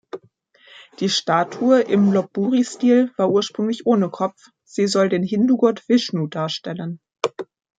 Die Statue im Lop-Buri-Stil war ursprünglich ohne Kopf, sie soll den Hindu-Gott Vishnu darstellen.